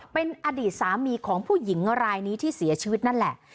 เป็นอดีตสามีของผู้หญิงรายนี้ที่เสียชีวิตนั่นแหละ